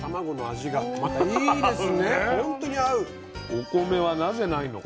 お米はなぜないのか。